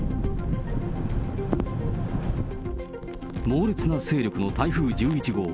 猛烈な勢力の台風１１号。